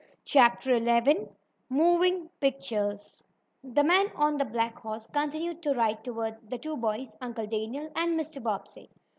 CHAPTER XI MOVING PICTURES The man on the black horse continued to ride toward the two boys, Uncle Daniel and Mr. Bobbsey.